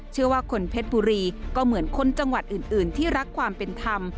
เชื่อว่าคนเพชรบุรีก็เหมือนคนจังหวัดอื่นที่รักความเป็นธรรม